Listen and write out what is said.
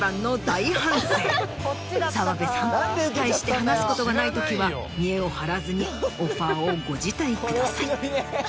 大して話すことがないときは見えを張らずにオファーをご辞退ください。